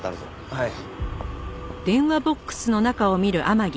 はい。